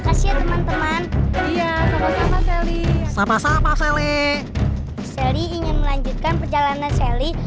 makasih teman teman iya sama sama sally sama sama sally sally ingin melanjutkan perjalanan sally